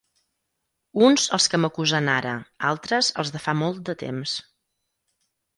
uns els que m'acusen ara, altres els de fa molt de temps.